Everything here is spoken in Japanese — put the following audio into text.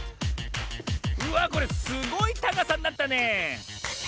うわこれすごいたかさになったねえ。